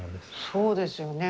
そうですよね。